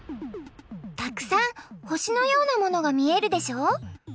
たくさんほしのようなものが見えるでしょう？